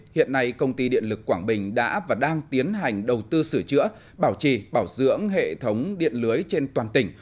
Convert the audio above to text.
hiện nay công ty điện lực quảng bình đã và đang tiến hành đầu tư sửa chữa bảo trì bảo dưỡng hệ thống điện lưới trên toàn tỉnh